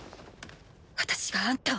私があんたを。